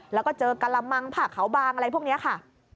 แล้วก็เจอกะละมังผักเขาบางอะไรพวกนี้ค่ะ